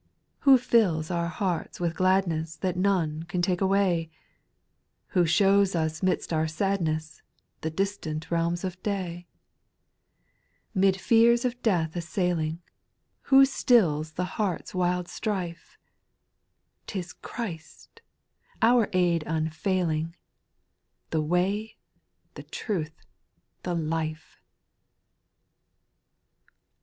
8. Who fills our hearts with gladness That none can take away ?• Who shows u« 'midst our sadness, The distant realms of day ? 'Mid fears of death assailing, Who stills the heart's wild strife ? 'T is Christ ! our aid unfailing, The Way, the Truth, the Life